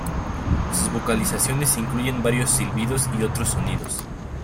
Sus vocalizaciones incluyen varios silbidos y otros sonidos.